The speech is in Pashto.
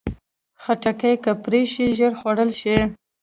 خټکی که پرې شي، ژر خوړل شي.